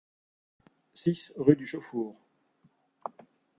six rue du Chauxfour